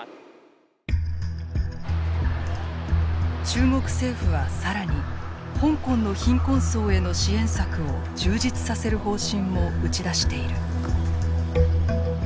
中国政府は更に香港の貧困層への支援策を充実させる方針も打ち出している。